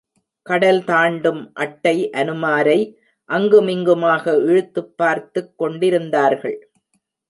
கடல் தாண்டும் அட்டை அனுமாரை அங்குமிங்குமாக இழுத்துப் பார்த்துக் கொண்டிருந்தார்கள்.